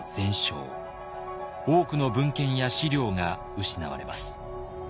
多くの文献や資料が失われます。